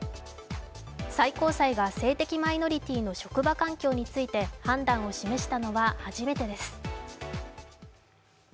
最高裁は性的マイノリティの職場環境について判断を示したのは初めてです。